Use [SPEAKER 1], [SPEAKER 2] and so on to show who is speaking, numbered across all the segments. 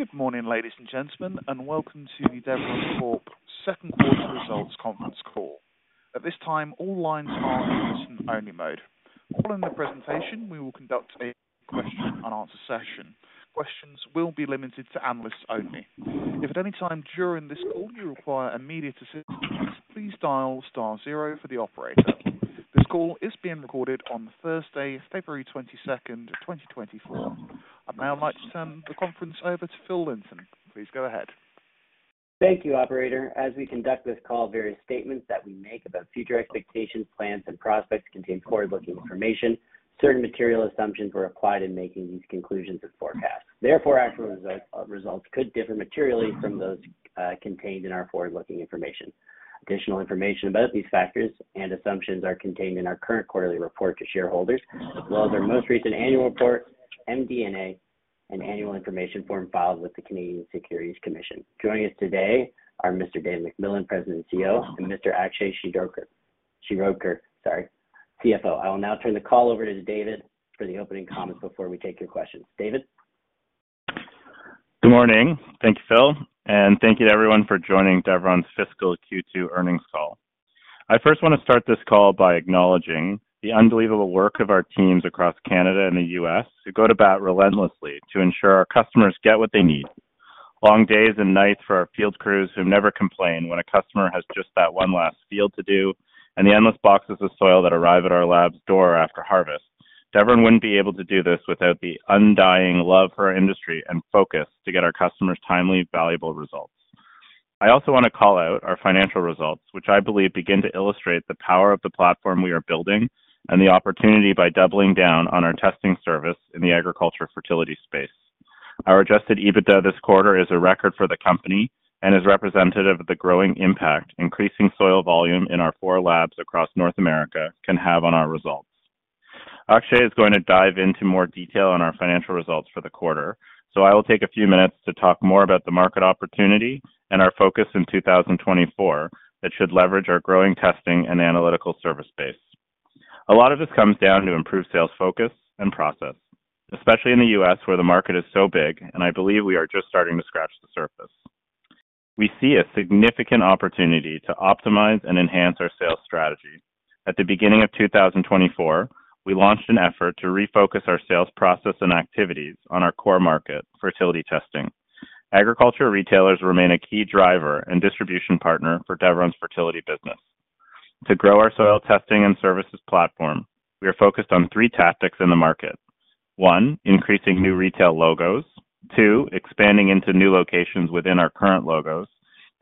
[SPEAKER 1] Good morning, ladies, and gentlemen, and welcome to the Deveron Corp Second Quarter Results Conference Call. At this time, all lines are in listen-only mode. Following the presentation, we will conduct a question-and-answer session. Questions will be limited to analysts only. If at any time during this call you require immediate assistance, please dial star zero for the operator. This call is being recorded on Thursday, February 22nd, 2024. I'd now like to turn the conference over to Phil Linton. Please go ahead.
[SPEAKER 2] Thank you, Operator. As we conduct this call, various statements that we make about future expectations, plans, and prospects contain forward-looking information. Certain material assumptions were applied in making these conclusions and forecasts. Therefore, actual results could differ materially from those contained in our forward-looking information. Additional information about these factors and assumptions are contained in our current quarterly report to shareholders, as well as our most recent annual report, MD&A, and annual information form filed with the Canadian Securities Commission. Joining us today are Mr. David MacMillan, President and CEO, and Mr. Akshay Shirodker, sorry, CFO. I will now turn the call over to David for the opening comments before we take your questions. David?
[SPEAKER 3] Good morning. Thank you, Phil, and thank you to everyone for joining Deveron's Fiscal Q2 Earnings Call. I first want to start this call by acknowledging the unbelievable work of our teams across Canada and the U.S. who go to bat relentlessly to ensure our customers get what they need. Long days and nights for our field crews who never complain when a customer has just that one last field to do and the endless boxes of soil that arrive at our lab's door after harvest. Deveron wouldn't be able to do this without the undying love for our industry and focus to get our customers timely, valuable results. I also want to call out our financial results, which I believe begin to illustrate the power of the platform we are building and the opportunity by doubling down on our testing service in the agriculture fertility space. Our Adjusted EBITDA this quarter is a record for the company and is representative of the growing impact increasing soil volume in our four labs across North America can have on our results. Akshay is going to dive into more detail on our financial results for the quarter, so I will take a few minutes to talk more about the market opportunity and our focus in 2024 that should leverage our growing testing and analytical service base. A lot of this comes down to improved sales focus and process, especially in the U.S. where the market is so big, and I believe we are just starting to scratch the surface. We see a significant opportunity to optimize and enhance our sales strategy. At the beginning of 2024, we launched an effort to refocus our sales process and activities on our core market, fertility testing. Agriculture retailers remain a key driver and distribution partner for Deveron's fertility business. To grow our soil testing and services platform, we are focused on three tactics in the market: one, increasing new retail logos; two, expanding into new locations within our current logos;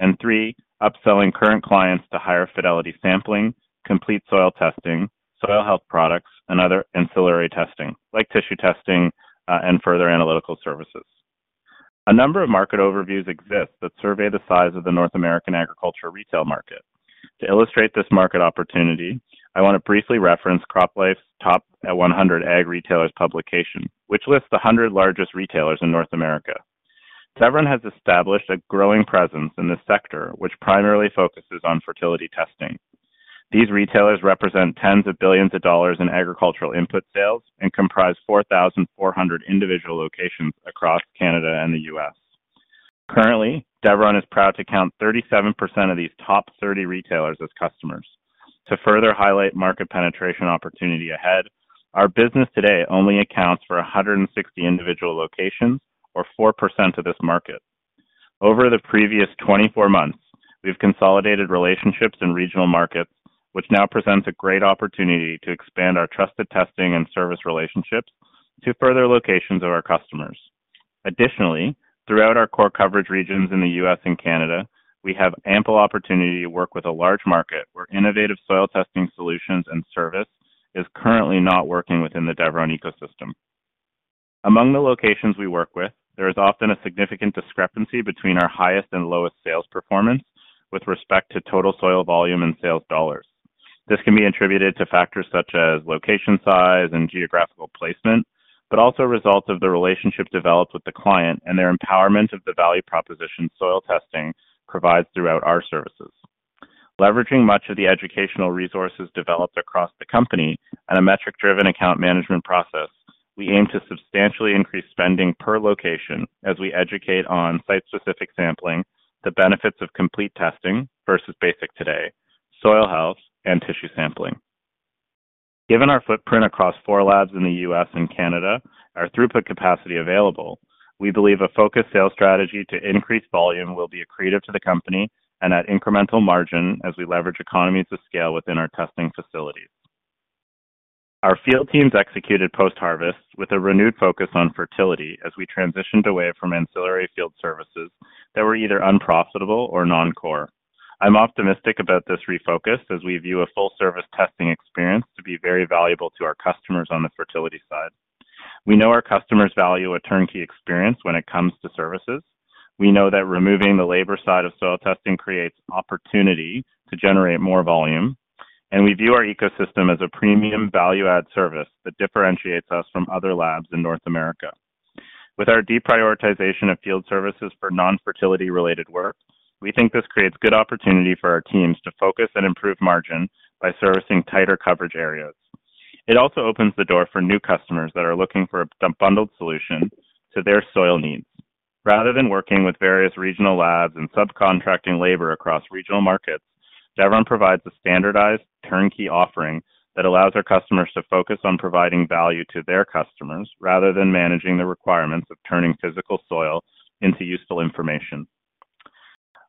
[SPEAKER 3] and three, upselling current clients to higher fidelity sampling, complete soil testing, soil health products, and other ancillary testing like tissue testing and further analytical services. A number of market overviews exist that survey the size of the North American agriculture retail market. To illustrate this market opportunity, I want to briefly reference CropLife's Top 100 agriculture retailers publication, which lists the 100 largest retailers in North America. Deveron has established a growing presence in this sector, which primarily focuses on fertility testing. These retailers represent tens of billions of dollars in agricultural input sales and comprise 4,400 individual locations across Canada and the U.S. Currently, Deveron is proud to count 37% of these top 30 retailers as customers. To further highlight market penetration opportunity ahead, our business today only accounts for 160 individual locations, or 4% of this market. Over the previous 24 months, we've consolidated relationships in regional markets, which now presents a great opportunity to expand our trusted testing and service relationships to further locations of our customers. Additionally, throughout our core coverage regions in the U.S. and Canada, we have ample opportunity to work with a large market where innovative soil testing solutions and service is currently not working within the Deveron ecosystem. Among the locations we work with, there is often a significant discrepancy between our highest and lowest sales performance with respect to total soil volume and sales dollars. This can be attributed to factors such as location size and geographical placement, but also results of the relationship developed with the client and their empowerment of the value proposition soil testing provides throughout our services. Leveraging much of the educational resources developed across the company and a metric-driven account management process, we aim to substantially increase spending per location as we educate on site-specific sampling, the benefits of complete testing versus basic today, soil health, and tissue sampling. Given our footprint across four labs in the U.S. and Canada, our throughput capacity available, we believe a focused sales strategy to increase volume will be accretive to the company and at incremental margin as we leverage economies of scale within our testing facilities. Our field teams executed post-harvest with a renewed focus on fertility as we transitioned away from ancillary field services that were either unprofitable or non-core. I'm optimistic about this refocus as we view a full-service testing experience to be very valuable to our customers on the fertility side. We know our customers value a turnkey experience when it comes to services. We know that removing the labor side of soil testing creates opportunity to generate more volume, and we view our ecosystem as a premium value-add service that differentiates us from other labs in North America. With our deprioritization of field services for non-fertility-related work, we think this creates good opportunity for our teams to focus and improve margin by servicing tighter coverage areas. It also opens the door for new customers that are looking for a bundled solution to their soil needs. Rather than working with various regional labs and subcontracting labor across regional markets, Deveron provides a standardized, turnkey offering that allows our customers to focus on providing value to their customers rather than managing the requirements of turning physical soil into useful information.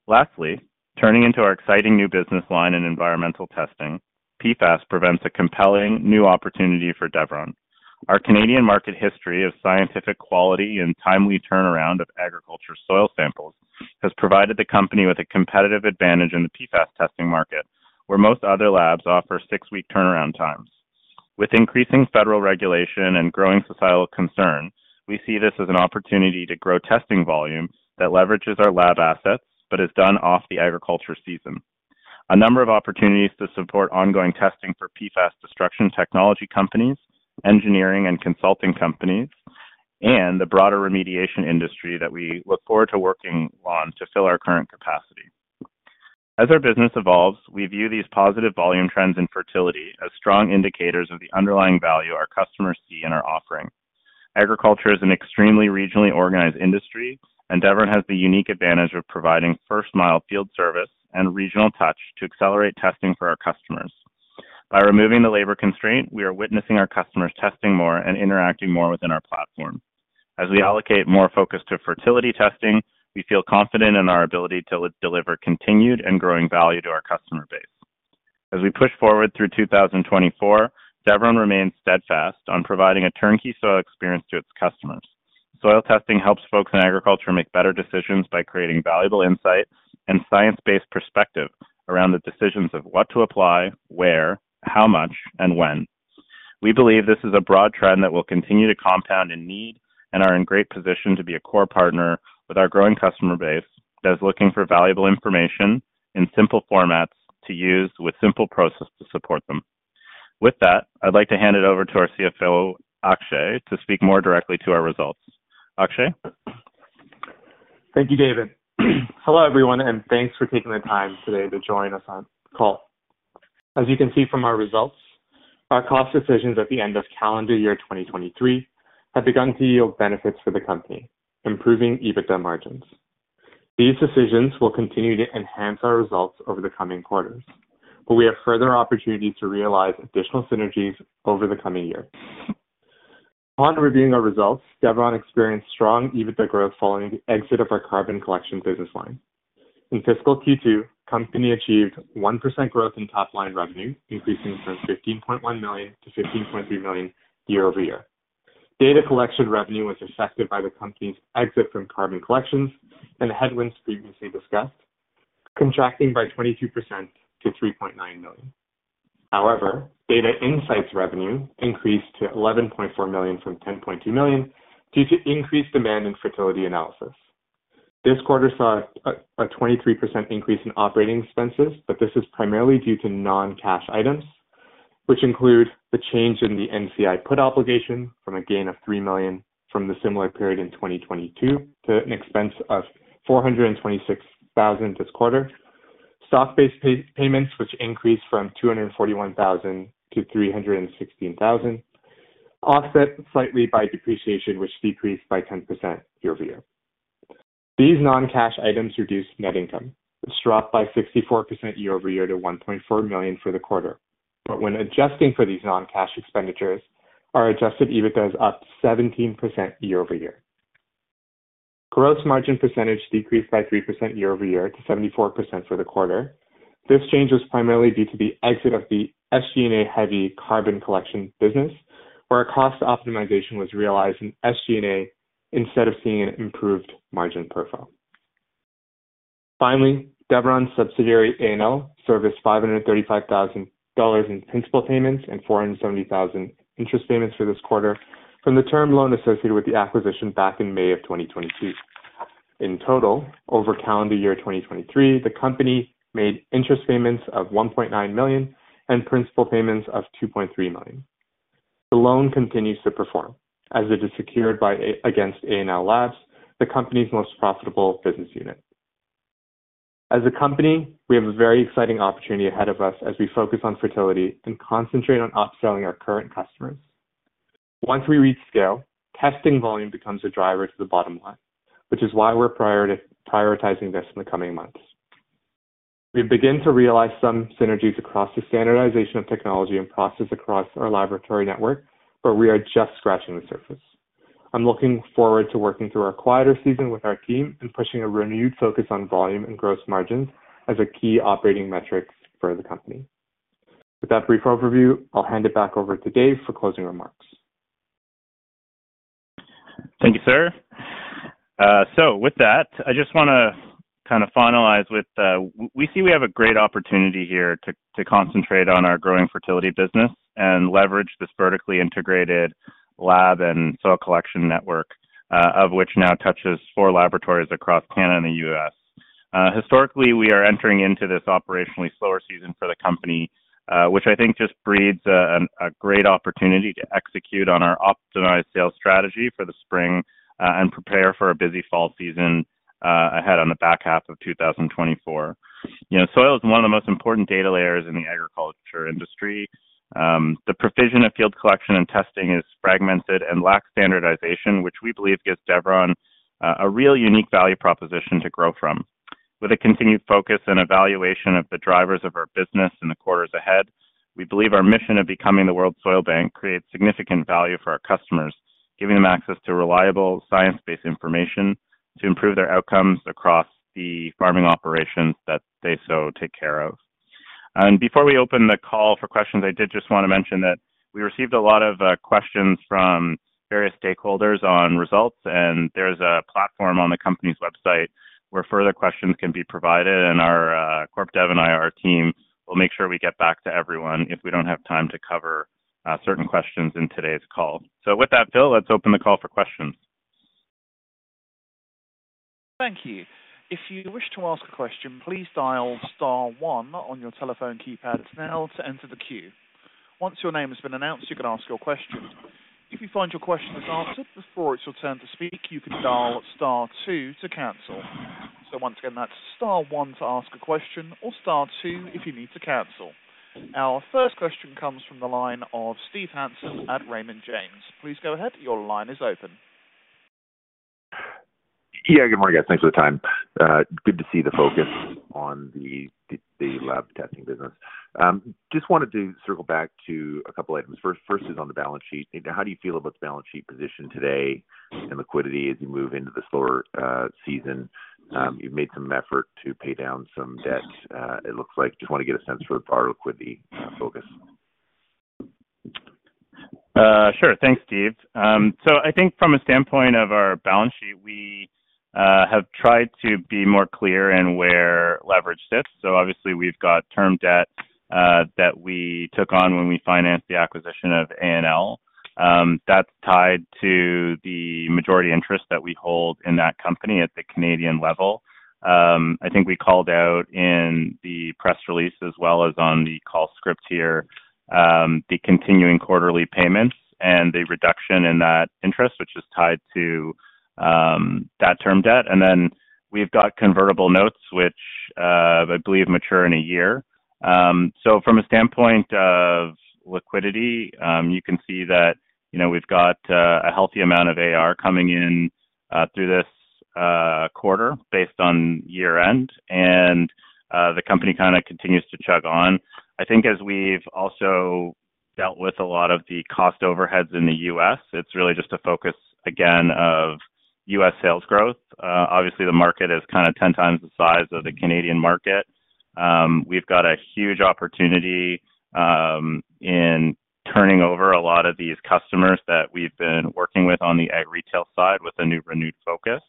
[SPEAKER 3] Lastly, turning to our exciting new business line in environmental testing, PFAS presents a compelling new opportunity for Deveron. Our Canadian market history of scientific quality and timely turnaround of agriculture soil samples has provided the company with a competitive advantage in the PFAS testing market, where most other labs offer six-week turnaround times. With increasing federal regulation and growing societal concern, we see this as an opportunity to grow testing volume that leverages our lab assets but is done off the agriculture season. A number of opportunities to support ongoing testing for PFAS destruction technology companies, engineering and consulting companies, and the broader remediation industry that we look forward to working on to fill our current capacity. As our business evolves, we view these positive volume trends in fertility as strong indicators of the underlying value our customers see in our offering. Agriculture is an extremely regionally organized industry, and Deveron has the unique advantage of providing first-mile field service and regional touch to accelerate testing for our customers. By removing the labor constraint, we are witnessing our customers testing more and interacting more within our platform. As we allocate more focus to fertility testing, we feel confident in our ability to deliver continued and growing value to our customer base. As we push forward through 2024, Deveron remains steadfast on providing a turnkey soil experience to its customers. Soil testing helps folks in agriculture make better decisions by creating valuable insight and science-based perspective around the decisions of what to apply, where, how much, and when. We believe this is a broad trend that will continue to compound in need and are in great position to be a core partner with our growing customer base that is looking for valuable information in simple formats to use with simple processes to support them. With that, I'd like to hand it over to our CFO, Akshay, to speak more directly to our results. Akshay?
[SPEAKER 4] Thank you, David. Hello, everyone, and thanks for taking the time today to join us on the call. As you can see from our results, our cost decisions at the end of calendar year 2023 have begun to yield benefits for the company, improving EBITDA margins. These decisions will continue to enhance our results over the coming quarters, but we have further opportunities to realize additional synergies over the coming year. Upon reviewing our results, Deveron experienced strong EBITDA growth following the exit of our carbon collection business line. In fiscal Q2, the company achieved 1% growth in top-line revenue, increasing from 15.1 million-15.3 million year-over-year. Data collection revenue was affected by the company's exit from carbon collections and headwinds previously discussed, contracting by 22% to 3.9 million. However, data insights revenue increased to 11.4 million from 10.2 million due to increased demand in fertility analysis. This quarter saw a 23% increase in operating expenses, but this is primarily due to non-cash items, which include the change in the NCI put obligation from a gain of 3 million from the similar period in 2022 to an expense of 426,000 this quarter, stock-based payments which increased from 241,000-316,000, offset slightly by depreciation, which decreased by 10% year-over-year. These non-cash items reduce net income, which dropped by 64% year-over-year to 1.4 million for the quarter, but when adjusting for these non-cash expenditures, our Adjusted EBITDA is up 17% year-over-year. Gross margin percentage decreased by 3% year-over-year to 74% for the quarter. This change was primarily due to the exit of the SG&A-heavy carbon collection business, where a cost optimization was realized in SG&A instead of seeing an improved margin profile. Finally, Deveron's subsidiary A&L Labs serviced 535,000 dollars in principal payments and 470,000 interest payments for this quarter from the term loan associated with the acquisition back in May of 2022. In total, over calendar year 2023, the company made interest payments of 1.9 million and principal payments of 2.3 million. The loan continues to perform as it is secured against A&L Labs, the company's most profitable business unit. As a company, we have a very exciting opportunity ahead of us as we focus on fertility and concentrate on upselling our current customers. Once we reach scale, testing volume becomes a driver to the bottom line, which is why we're prioritizing this in the coming months. We begin to realize some synergies across the standardization of technology and process across our laboratory network, but we are just scratching the surface. I'm looking forward to working through our quieter season with our team and pushing a renewed focus on volume and gross margins as a key operating metric for the company. With that brief overview, I'll hand it back over to Dave for closing remarks.
[SPEAKER 3] Thank you, sir. So with that, I just want to kind of finalize with we see we have a great opportunity here to concentrate on our growing fertility business and leverage this vertically integrated lab and soil collection network, of which now touches four laboratories across Canada and the U.S. Historically, we are entering into this operationally slower season for the company, which I think just breeds a great opportunity to execute on our optimized sales strategy for the spring and prepare for a busy fall season ahead on the back half of 2024. Soil is one of the most important data layers in the agriculture industry. The provision of field collection and testing is fragmented and lacks standardization, which we believe gives Deveron a real unique value proposition to grow from. With a continued focus and evaluation of the drivers of our business in the quarters ahead, we believe our mission of becoming the world's soil bank creates significant value for our customers, giving them access to reliable, science-based information to improve their outcomes across the farming operations that they so take care of. Before we open the call for questions, I did just want to mention that we received a lot of questions from various stakeholders on results, and there is a platform on the company's website where further questions can be provided, and our CorpDev and I, our team, will make sure we get back to everyone if we don't have time to cover certain questions in today's call. With that, Phil, let's open the call for questions.
[SPEAKER 1] Thank you. If you wish to ask a question, please dial star one on your telephone keypad now to enter the queue. Once your name has been announced, you can ask your question. If you find your question is answered before it's your turn to speak, you can dial star two to cancel. So once again, that's star one to ask a question or star two if you need to cancel. Our first question comes from the line of Steve Hansen at Raymond James. Please go ahead. Your line is open.
[SPEAKER 5] Yeah. Good morning, guys. Thanks for the time. Good to see the focus on the Lab testing business. Just wanted to circle back to a couple of items. First is on the balance sheet. How do you feel about the balance sheet position today and liquidity as you move into the slower season? You've made some effort to pay down some debt, it looks like. Just want to get a sense for our liquidity focus.
[SPEAKER 3] Sure. Thanks, Steve. So I think from a standpoint of our balance sheet, we have tried to be more clear in where leverage sits. So obviously, we've got term debt that we took on when we financed the acquisition of A&L. That's tied to the majority interest that we hold in that company at the Canadian level. I think we called out in the press release, as well as on the call script here, the continuing quarterly payments and the reduction in that interest, which is tied to that term debt. And then we've got convertible notes, which I believe mature in a year. So from a standpoint of liquidity, you can see that we've got a healthy amount of AR coming in through this quarter based on year-end, and the company kind of continues to chug on. I think as we've also dealt with a lot of the cost overheads in the U.S., it's really just a focus, again, of U.S. sales growth. Obviously, the market is kind of 10 times the size of the Canadian market. We've got a huge opportunity in turning over a lot of these customers that we've been working with on the retail side with a new renewed focus,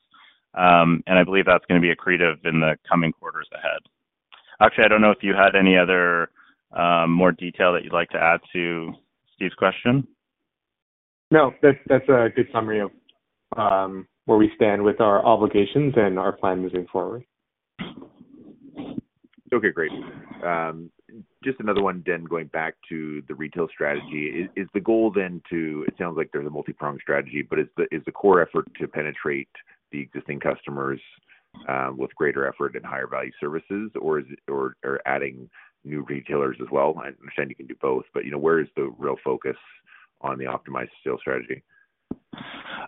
[SPEAKER 3] and I believe that's going to be accretive in the coming quarters ahead. Akshay, I don't know if you had any other more detail that you'd like to add to Steve's question.
[SPEAKER 4] No. That's a good summary of where we stand with our obligations and our plan moving forward.
[SPEAKER 5] Okay. Great. Just another one, then, going back to the retail strategy. Is the goal then to it sounds like there's a multi-pronged strategy, but is the core effort to penetrate the existing customers with greater effort and higher value services, or are adding new retailers as well? I understand you can do both, but where is the real focus on the optimized sales strategy?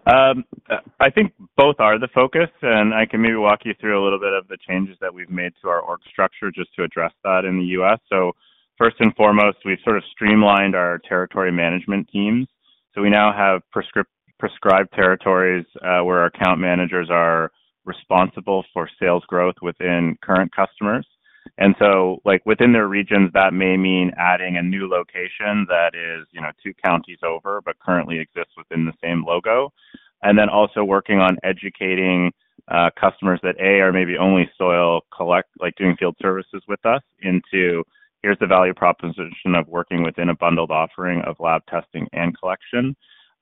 [SPEAKER 3] I think both are the focus, and I can maybe walk you through a little bit of the changes that we've made to our org structure just to address that in the U.S. So first and foremost, we've sort of streamlined our territory management teams. So we now have prescribed territories where our account managers are responsible for sales growth within current customers. And so within their regions, that may mean adding a new location that is two counties over but currently exists within the same logo, and then also working on educating customers that, A, are maybe only soil doing field services with us into, "Here's the value proposition of working within a bundled offering of lab testing and collection."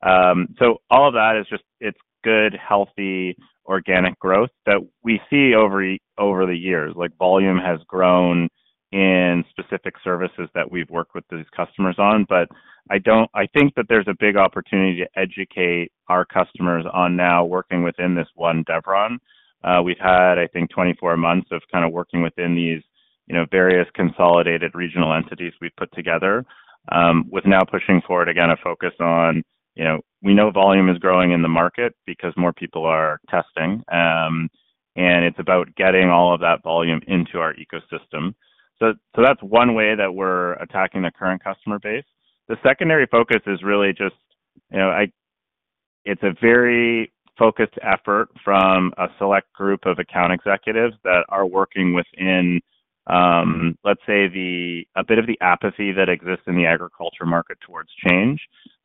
[SPEAKER 3] So all of that is just it's good, healthy, organic growth that we see over the years. Volume has grown in specific services that we've worked with these customers on, but I think that there's a big opportunity to educate our customers on now working within this one Deveron. We've had, I think, 24 months of kind of working within these various consolidated regional entities we've put together with now pushing forward, again, a focus on we know volume is growing in the market because more people are testing, and it's about getting all of that volume into our ecosystem. So that's one way that we're attacking the current customer base. The secondary focus is really just it's a very focused effort from a select group of account executives that are working within, let's say, a bit of the apathy that exists in the agriculture market towards change.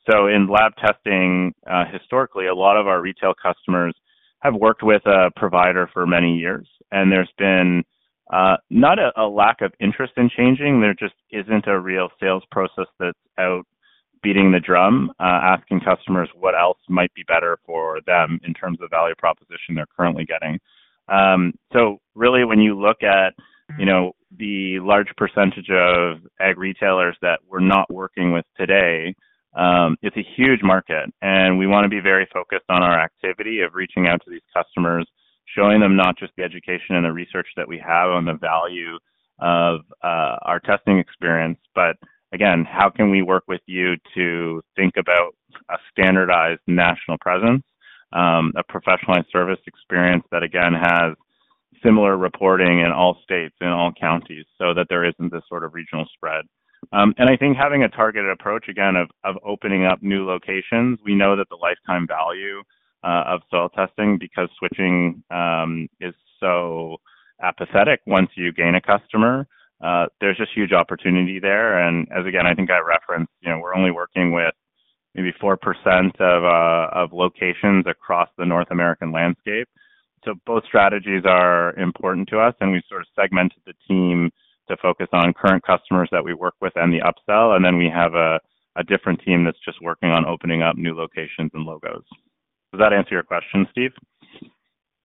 [SPEAKER 3] In lab testing, historically, a lot of our retail customers have worked with a provider for many years, and there's been not a lack of interest in changing. There just isn't a real sales process that's out beating the drum asking customers what else might be better for them in terms of value proposition they're currently getting. So really, when you look at the large percentage of ag retailers that we're not working with today, it's a huge market, and we want to be very focused on our activity of reaching out to these customers, showing them not just the education and the research that we have on the value of our testing experience, but again, how can we work with you to think about a standardized national presence, a professionalized service experience that, again, has similar reporting in all states and all counties so that there isn't this sort of regional spread? And I think having a targeted approach, again, of opening up new locations, we know that the lifetime value of soil testing, because switching is so apathetic once you gain a customer, there's just huge opportunity there. As again, I think I referenced, we're only working with maybe 4% of locations across the North America landscape. So both strategies are important to us, and we've sort of segmented the team to focus on current customers that we work with and the upsell, and then we have a different team that's just working on opening up new locations and logos. Does that answer your question, Steve?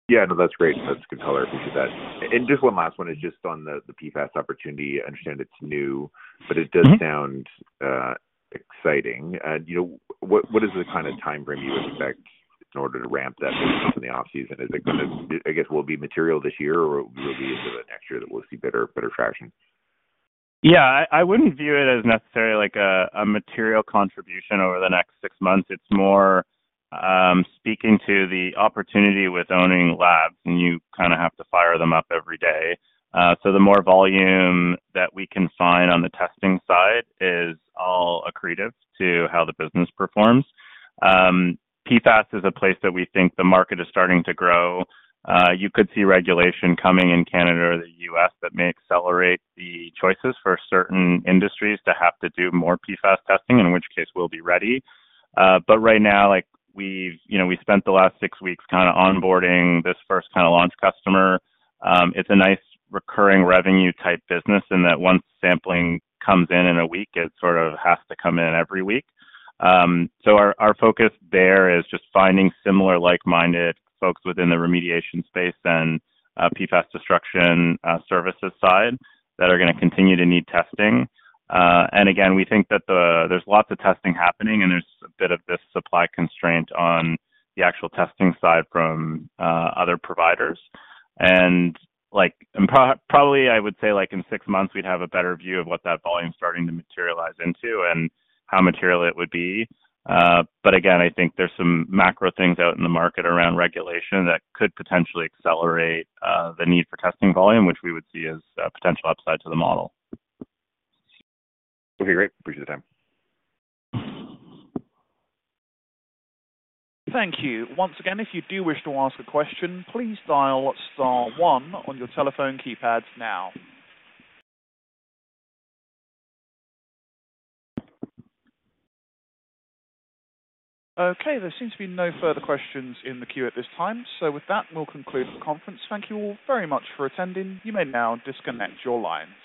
[SPEAKER 5] Yeah. No, that's great. That's good color. Appreciate that. And just one last one is just on the PFAS opportunity. I understand it's new, but it does sound exciting. What is the kind of time frame you expect in order to ramp that business up in the off-season? Is it going to, I guess, will it be material this year, or will it be into the next year that we'll see better traction?
[SPEAKER 3] Yeah. I wouldn't view it as necessarily a material contribution over the next six months. It's more speaking to the opportunity with owning labs, and you kind of have to fire them up every day. So the more volume that we can find on the testing side is all accretive to how the business performs. PFAS is a place that we think the market is starting to grow. You could see regulation coming in Canada or the U.S. that may accelerate the choices for certain industries to have to do more PFAS testing, in which case we'll be ready. But right now, we've spent the last six weeks kind of onboarding this first kind of launch customer. It's a nice recurring revenue-type business in that once sampling comes in in a week, it sort of has to come in every week. So our focus there is just finding similar like-minded folks within the remediation space and PFAS destruction services side that are going to continue to need testing. And again, we think that there's lots of testing happening, and there's a bit of this supply constraint on the actual testing side from other providers. And probably, I would say in six months, we'd have a better view of what that volume's starting to materialize into and how material it would be. But again, I think there's some macro things out in the market around regulation that could potentially accelerate the need for testing volume, which we would see as potential upside to the model.
[SPEAKER 5] Okay. Great. Appreciate the time.
[SPEAKER 1] Thank you. Once again, if you do wish to ask a question, please dial star one on your telephone keypad now. Okay. There seems to be no further questions in the queue at this time. So with that, we'll conclude the conference. Thank you all very much for attending. You may now disconnect your lines.